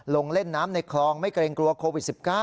ลงเล่นน้ำในคลองไม่เกรงกลัวโควิด๑๙